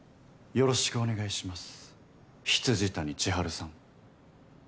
よろしくお願いします。